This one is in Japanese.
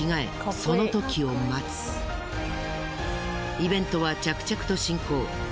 イベントは着々と進行。